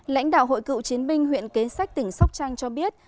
lãnh đạo hội cựu chiến binh huyện kế sách tỉnh sóc trăng cho biết